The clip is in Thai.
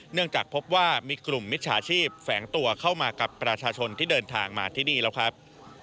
เนื่องจากพบว่ามีกลุ่มมิจฉาชีพแฝงตัวเข้ามากับประชาชนที่เดินทางมาที่นี่แล้วครับ